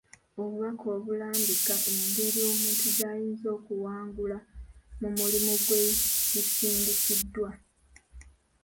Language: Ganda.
Obubaka obulambika engeri omuntu gy'ayinza okuwangula mu mulimu gwe bisindikiddwa.